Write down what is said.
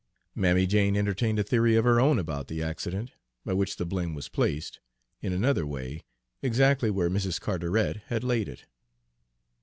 Mammy Jane entertained a theory of her own about the accident, by which the blame was placed, in another way, exactly where Mrs. Carteret had laid it.